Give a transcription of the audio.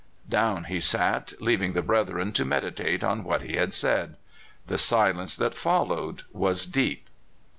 " Down he sat, leaving the brethren to meditate on what he had said. The silence that followed was deep.